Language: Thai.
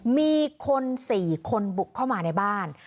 มีคน๔คนบุกเข้ามาในบ้าน